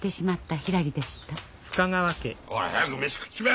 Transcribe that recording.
ほら早く飯食っちまえ！